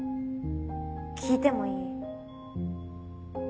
聞いてもいい？